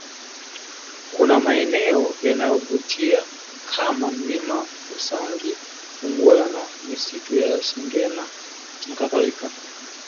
Kuna maeneo yanayovutia kama milimani Usangi Ugweno misitu ya Shengena nakadhalika